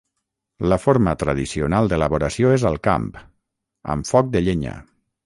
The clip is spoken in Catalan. La forma tradicional d'elaboració és al camp, amb foc de llenya.